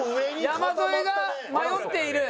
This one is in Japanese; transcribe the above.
山添が迷っている。